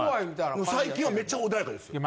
最近はめっちゃ穏やかですよ。